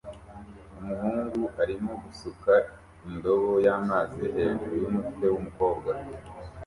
Umuhungu arimo gusuka indobo y'amazi hejuru yumutwe wumukobwa